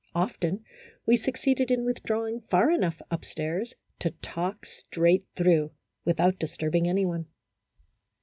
Often we succeeded in withdrawing far enough up stairs to talk straight through, without disturbing any one.